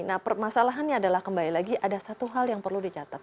nah permasalahannya adalah kembali lagi ada satu hal yang perlu dicatat